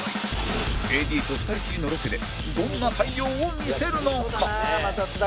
ＡＤ と２人きりのロケでどんな対応を見せるのか？